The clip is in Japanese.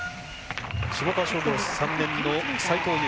下川商業３年の齋藤優。